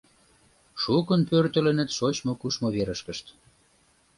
шукын пӧртылыныт шочмо-кушмо верышкышт.